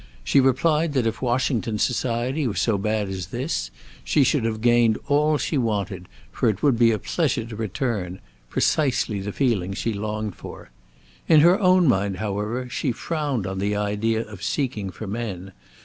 She replied that if Washington society were so bad as this, she should have gained all she wanted, for it would be a pleasure to return, precisely the feeling she longed for. In her own mind, however, she frowned on the idea of seeking for men.